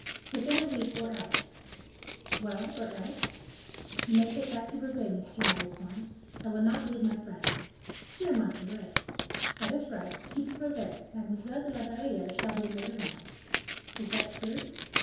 "Within a week, or else " "Well! or else?" "You may take back your brevet, Monsieur Malicorne; I will not leave my friend." "Dear Montalais!" "That is right. Keep your brevet; Mademoiselle de la Valliere shall be a maid of honor." "Is that true?"